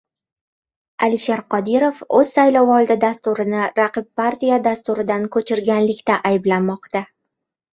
Alisher Qodirov o‘z saylovoldi Dasturini raqib partiya Dasturidan ko‘chirganlikda ayblanmoqda